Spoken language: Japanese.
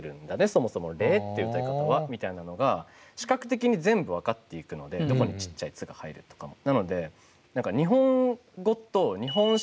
そもそも「れえ」って歌い方はみたいなのが視覚的に全部分かっていくのでどこにちっちゃい「つ」が入るとかも。